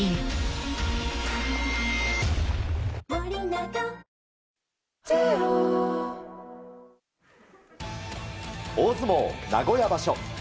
大相撲名古屋場所。